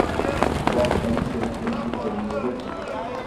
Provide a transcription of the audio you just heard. Bu akşam istedikleri gibi serinleyecekler…